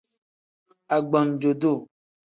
Agbanjo-duu.